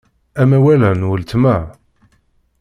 Amawal-a n weltma.